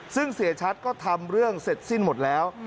ซึ่งเสียชัดก็ทำเรื่องเสร็จสิ้นหมดแล้ว